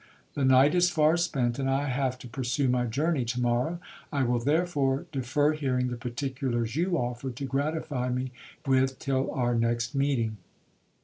The night is far spent, and I have to pursue my journey to morrow; I will therefore defer hearing the particulars you offer to gratify me with till our next meeting.'